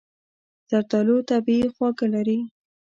زردالو طبیعي خواږه لري.